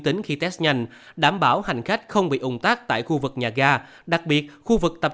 tính khi test nhanh đảm bảo hành khách không bị ủng tác tại khu vực nhà ga đặc biệt khu vực tập